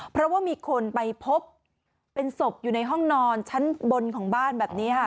เพราะว่ามีคนไปพบเป็นศพอยู่ในห้องนอนชั้นบนของบ้านแบบนี้ค่ะ